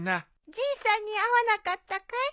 じいさんに会わなかったかい？